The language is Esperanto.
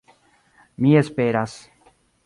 Mi esperas